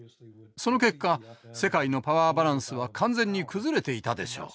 その結果世界のパワーバランスは完全に崩れていたでしょう。